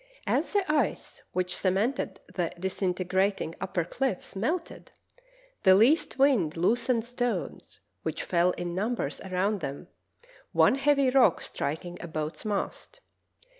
As the ice which cemented the disintegrat ing upper cliffs melted, the least wind loosened stones, which fell in numbers around them, one heavy rock striking a boat's mast.